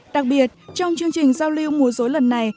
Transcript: đặc biệt trong chương trình giao lưu mùa dối lần này